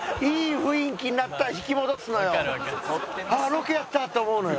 ああーロケやった！って思うのよ。